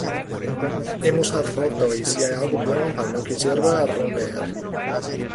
hemos roto, y si hay algo bueno para lo que sirva romper